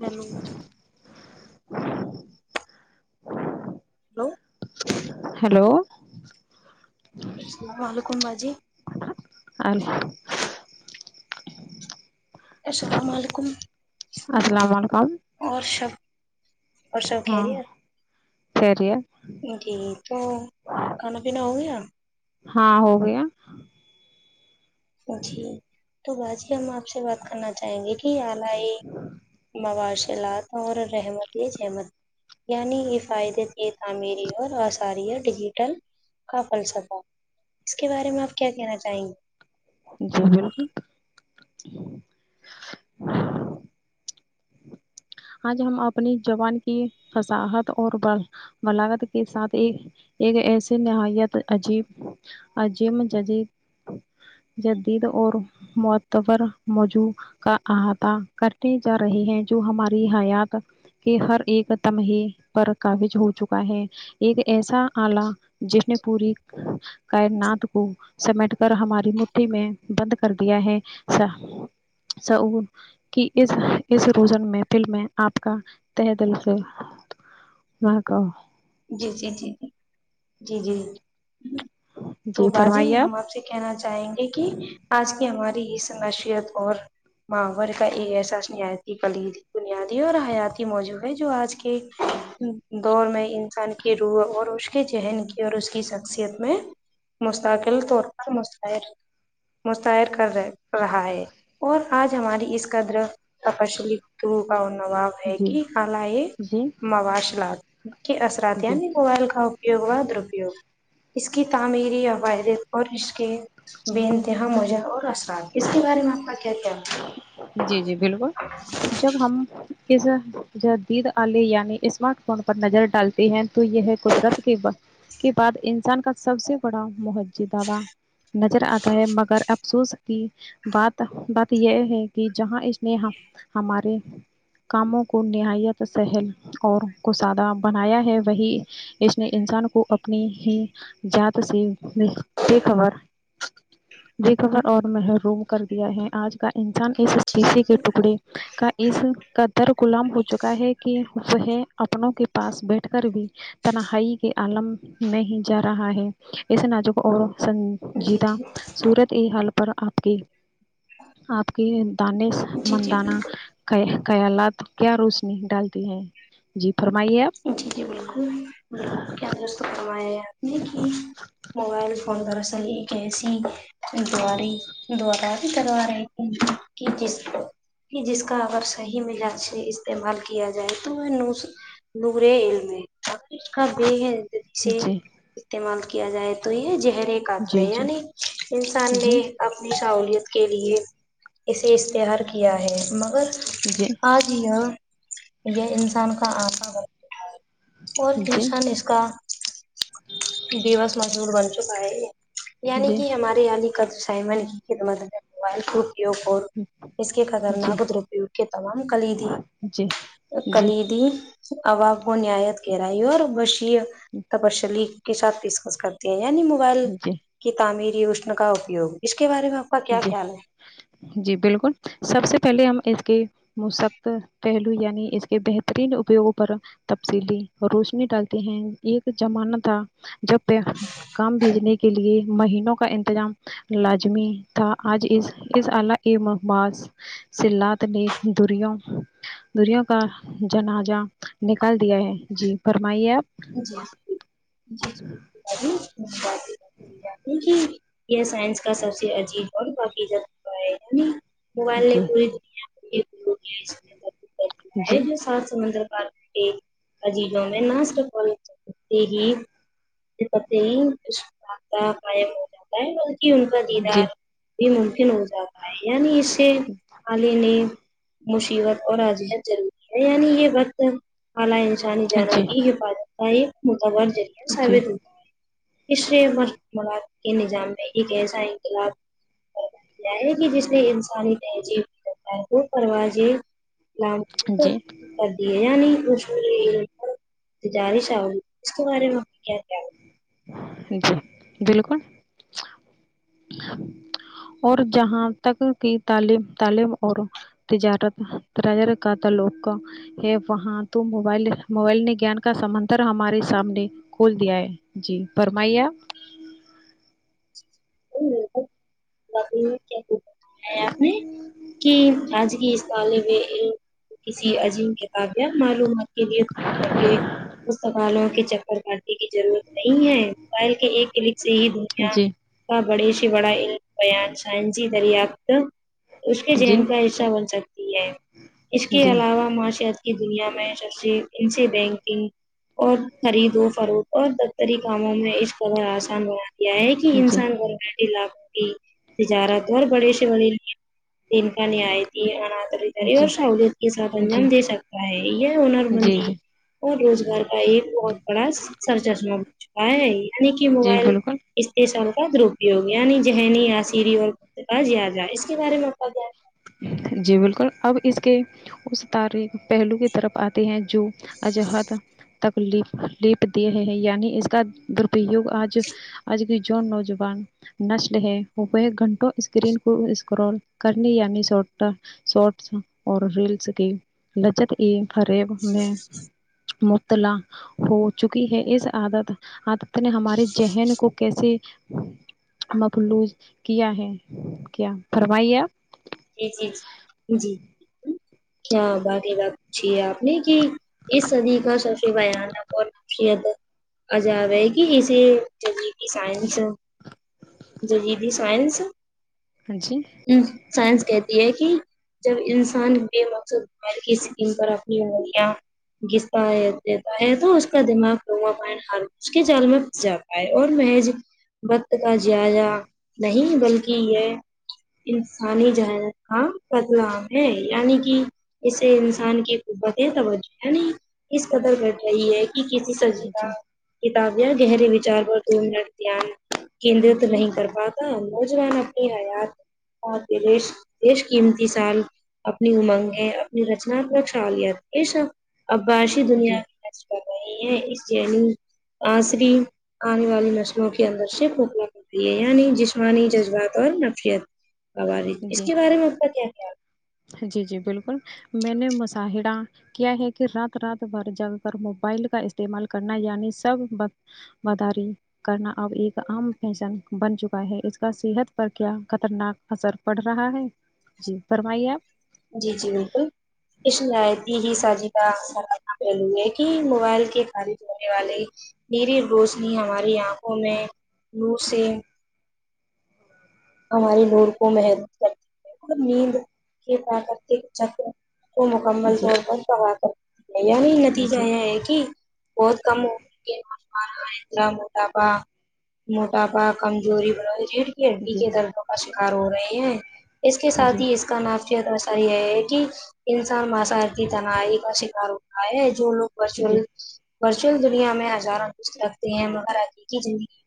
hello hello اسلام علکیم باجی اور [unintelligible] السلام علیکم السلام علیکم اور شب اور سب ہاں خیریت خیریت جی تو کھانا پینا ہو گیا ہاں ہو گیا جی تو باجی ہم آپ سے بات کرنا چاہیں گے کہ آپ [unintelligible] مواشلات اور رحمت یہ جحمت یعنی حفادتے تعمیری اور آثاریہ ڈیجیٹل کا فلسفہ اس کے بارے میں آپ کیا کہنا چاہیں گے جی بالکل آج ہم اپنی جبان کی فساحت اور بلاگت کے ساتھ ایک ایک ایسی نہایت عجیب عجیب ججیب جدید اور معتبر موضوع کا احاطہ کرنے جا رہے ہیں جو ہمارے حیاء کہ ہر ایک دم ہی پر کافی ہوچکا ہے ایک ایسا آلہ جس نے پوری کائنات کو سمیٹ کر ہماری مٹھی میں بند کر دیا ہے سا او کی اس اس روزن میں فل میں آپ کا تہ دل سے وہاں کا جی جی جی جی جی جی تو جی باجی فرمائیے ہم آپ سے کہنا چاہیں گے کی آج کی یہ ہماری سمشیات اور ماور کا ایک ایساایتی کلید بنیادی اور حیاتی موضوع ہے جو آج کے دور میں انسان کی روح اور اس کے ذہن کی اور اس کی شخصیت میں مستقل طور پر مستر مستعر کر رہ رہا ہے اور آج ہماری اس کا در تشلی طوبا اور نواب جی جی [unintelligible] اثرات جی یعنی موبائل کا اپیوگ و درپیوگ اس کی تعمیری عوائدت اور رشق بے انتہا مجہ اور اثرات اس کے بارے میں آپ کا کیا خیال ہے جی جی بالکل جب ہم ک جدید آلے یعنی اسمارٹ فون پر نظر ڈالتے ہیں تو یہ ہے قدرت کے کے بعد انسان کا سب سے بڑا محجدا نظر آتا ہے مگر افسوس کی بات بات یہ ہے کہ جہاں اس نے ہمارے کاموں کو نہایت سہل اور کو سادہ بنایا ہے وہی اس نے انسان کو اپنی ہی جات سے بے بے خبر بے خبر اور محروم کر دیا ہے آج کا انسان اس جی شیشے جی کے ٹکڑے جی کا اس قدر غلام ہو چکا ہے کہ وہ ہے اپنوں کے پاس بیٹھ کر بھی تنہائی کے عالم میں ہی جا رہا ہے اسے ناجوک اور جی جیتا جی سورت یہ حال پر آپ کی آپ کے جی جی دانشمندانہ بالکل خیالات کیا روشنی ڈالتی ہیں جی پرمائیے آپ جی جی بالکل بالکل کیا اپنے کی موبائل فون دراصل جسی دواری دوراری کروا رہتی ہیں کہ جس کہ جس کا اگر صحیح ملاچ استعمال کیا جائے تو وہ نو [unintelligible] جی استعمال کیا جائے تو یہ زہر ہے قاتل ہے جی جی یعنی انسان نے جی اپنی سہولیت کے لیے اسے اشتہار کیا ہے مگر جی آج یہ یہ انسان کا آپ اور جی انسان اس کا ڈیوس مشہور بن چکا ہے یہ یعنی جی جی کہ ہمارے آدھے کام سائمن کی خدمت میں موبائل اس کے خطرناک درپیوگ کے تمام کلیدی جی اور جی کلیدی [unintelligible] کے ساتھ ڈسکس کرتے ہیں یعنی موبائل جی کی تعمیری اشن کا اپیوگ اس کے بارے میں آپ کا کیا جی خیال ہے جی بالکل سب سے پہلے ہم اس کے سخت پہلو یعنی اس کے بہترین اپیوگوں پر تفصیلی روشنی ڈالتے ہیں ایک زمانہ تھا جب پ کام بھیجنے کے لیے مہینوں کا انتظام لازمی تھا آج اس اس آلہ [unintelligible] مواصلات نے دوریاں دوریوں کا جنازہ نکال دیا ہے جی فرمائیے آپ جی جی کیونکہ یہ سائنس کا سب سے عجیب اور باقی جا ہے موبائل نے جی پوری دنیا کو کریا جی ہے جو ساتھ سمندر پار عزیزوں میں [unintelligible] نسٹالتے ہی پتے ہی نہیں رابطہ قائم ہو جاتا ہے ان کی جی دیدار بھی ممکن ہو جاتا ہے یعنی اس سے جچ [unintelligible] والے نے مصیبت اور اذیت ضروری ہے یعنی یہ وقت اعلی انسانی جانوں جی کی حفاظت کا ایک متوار ذریعہ جی ثابت ہو عشرہ مبشرہ کے نظام میں ایک ایسا انقلاب کیا ہے کہ جس نے انسانی تہذیب کی کرتا ہے وہ پروازیں ل جی کر دی ہے یعنی اس بارش آرہی اس کے بارے میں آپ کا کیا خیال ہے جی بالکل اور جہاں تک کہ تعلیم تعلیم اور تجارت تجارت کا تعلق تھا ہے وہاں تو موبائل موبائل نے گیان کا سمندر ہمارے سامنے کھول دیا ہے جی فرمائیے آپ وہ [unintelligible] ب کیا آپ نے کہ آج کی اس طالب علم میں کسی عظیم کتاب کی معلومات لیے پکالوں کے چر [unintelligible] اور بتانے کی ضرورت نہیں ہے بلکہ ایک کلک سے ہی دنیا جی کا بڑے سے بڑا علم بیان سینزی دریافت اس کے جی ذہن کا حصہ بن سکتی ہے اس کے جی جی علاوہ معاشیات کی دنیا میں سب سے ان سے بینکنگ اور خرید و فروخ اور دفتری کاموں میں اس کا آسان ہو یہ ہے کہ جی انسان گھر بیٹھے لاکھوں کی تجارت اور بڑے سے بڑے ان کا نہایت امانت داری اور سہولت کے ساتھ انجام جی دے سکتا ہے یہ ہنر مند جی اور روزگار کا ایک بہت بڑا سر چشمہ بن چکا ہے یعنی کہ جی موبائل بالکل استشال کا درپیوگ یعنی ذہنی سری اور یادا اس کے بارے میں آ [unintelligible] جی بالکل اب اس کے اس تاریخ پہلو کی طرف آتے ہیں جو اجہد تکلیف دے ہیں یعنی اس کا درپیوگ آج آج کے جو نوجوان نشل ہے وہ ویہ گھنٹوں اسکرین کو اسکرول کرنی ینیش شارٹس اور ریلس کی لچت کی خریب میں مطلع ہو چکی ہے اس عادت عادت نے ہمارے ہے جہن کو کیسے مفلوج کیا ہے کیا فرمائیے آپ جی جی جی کیا باقی بات پوچھیے آپ یہ ک اس صدی کا سب سے بھیانک اور عذاب ہے گ اسے چے کہ سائنس جدیدی سائنس ہاں جی حم سائنس کہتی ہے کہ جب انسان بے مقصد میر کی سکن پر اپنی امولیاں گستا ہے دیتا ہے تو اس کا دماغ ہوا پائن ہر اس کے جال میں پھس جاتا آئے اور محج وقت کا جائزہ نہیں بلکہ یہ انسانی جہانت کا بدلام ہے یعنی کہ اسے انسان کی قربتیں توجہ نہیں اس قدر بٹ رہی ہے کہ کسی سجیو جی کتاب یا گہرے وچار پر تو [unintelligible] ور نتان کیندرت جی نہیں کر پاتا نوجوان اپنی حیات رش رش قیمتی سائن اپنی امنگیں اپنی رچنا کو چھا گیا اس عبباشی جی دنیا اچ با ہے اسٹ جانو آصری آنے والی نسلوں کے اندر سے بھک لگ شری یعنی جسمانی جی جذبات اور نفیت قوار اس جی کے بارے میں ان کا کیا خیال جی جی بالکل میں نے مظاہرہ کیا ہے کہ رات رات بھر جا کر موبائل کا استعمال کرنا یعنی سبق باداری کرنا اب ایک عام فیشن بن چکا ہے اس کا صحت پر کیا خطرناک اثر پڑ رہا ہے جی فرمائیے آپ جی جی بالکل کش لاتی ہی سازی لا ہے کہ موبائل کے خرید کرنے والے مری روشنی ہماری آنکھوں میں منہ سے ہماری لوڑ کو محدود کرتی ہے اور نیند کے پراکرتک چکر وہ مکمل جی طور پر پگا کر یعنی نتیجہ جی یہ ہے کہ بہت کم ہو کے رہاندرا موٹاپا موٹاپا کمزوری بن ریڑ ک جی کے جی دردوں کا شکار ہو رہے ہیں اس کے ساتھ ہی اس کا نافت اثر یہ ہے کہ انسان ماسارتی تنائی کا شکار ہوتا ہے جو لوگ جی ورچوئل ورچوئل دنیا میں ہزاروں دوست رکھتے ہیں مگر حقیقی زندگی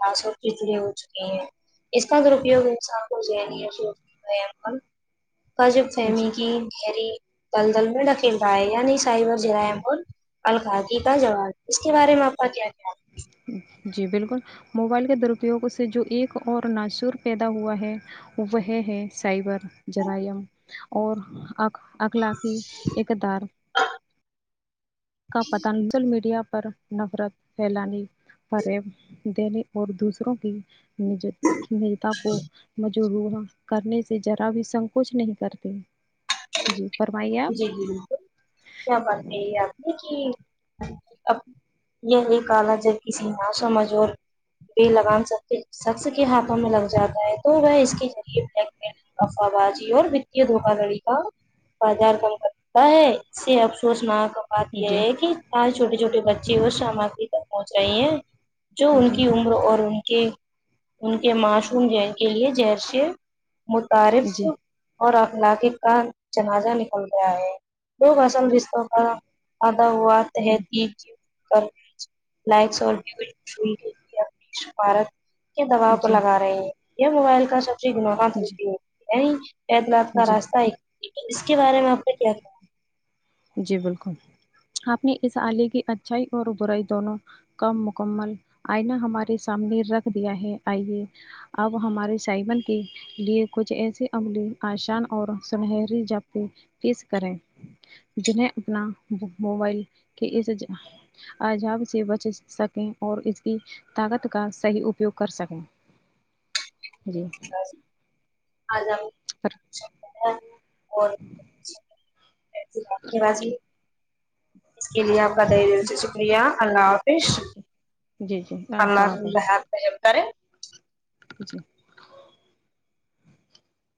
مسو ک ل [unintelligible] اس کا دوروپیوگ انسان کو ذہنی اذیت کے نی عمل کاجب جی فہمی کی گہری دلدل میں ڈھکیل رہ ہے یعنی سائبر جی رم القادی کا جواب اس کے بارے میں آپ کا کیا خیال ہے جی بالکل موبائل کے درپیوگ سے جو ایک اور ناصور پیدا ہوا ہے وہ ہیں ہیں سائبر جرائم اور آپ اخلاقی ایکدار کا پتہ نہیں چل میڈیا پر نفرت پھیلانی پڑے دینے اور دوسروں کی مجھے میٹاکو جو رومرکرنے سے ذرہ بھی سنکوچ نہیں کرتے جی فرمائیے آپ جی نا کی اب یہ جن کسی موسم موضول لگام سص شخص کے ہاتھوں میں لگ جاتا ہے تو وہ اس کے ذریعے بلیک میل افوہ بازی اور وتی دھوکا داڑی کا بازار گرم کرتا ہے اس سے افسوس ناک بات آپ یہ جی ہے کہ آج چھوٹے چھوٹے بچے وہ سامگری تک پہنچ رہے ہیں جو ان جی کی عمر اور ان کے معصوم ذہن کے لیے زہرسے متعارف جی جی اور علاقے کا جنازہ نکل گیا ہے لوگ اصل رشتوں کا ا [unintelligible] [unintelligible] کے دباؤ کو جی لگا رہے ہیں یہ موبائل کا جی [unintelligible] جی راستہ اس کے بارے میں آپ نے کا کیا خیال ہے جی بالکل آپ نے اس آلے کی اچھائی اور برائی دونوں کامکمل آئینہ ہمارے سامنے رکھ دیا ہے آئیے اب ہمارے سائبن کی لیے کچھ ایسے عملی آسان اور سنہری جاب پیس کریں جن ہیں اپنا موبائل [unintelligible] کے اس عزاب سے بچ سکیں اور اس کی طاقت کا صحیح اپیوگ کر سکیں جی [unintelligible] اور [unintelligible] اس کے لیے آپ کا طہ دل سے شکریہ اللہ جی جی جی اللہ حافظ [unintelligible] [unintelligible]